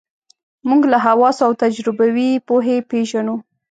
موږ له حواسو او تجربوي پوهې پېژنو.